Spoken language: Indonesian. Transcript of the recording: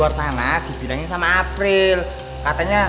apa maksud kaget ya